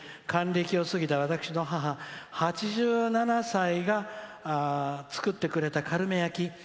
「還暦を過ぎた私の母８７歳が作ってくれたカルメ焼き。